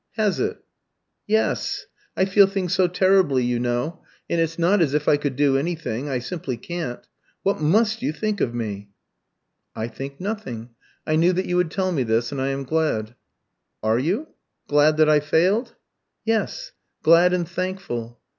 "Has it?" "Yes. I feel things so terribly, you know; and it's not as if I could do anything I simply can't. What must you think of me?" "I think nothing. I knew that you would tell me this, and I am glad." "Are you? Glad that I failed?" "Yes; glad and thankful."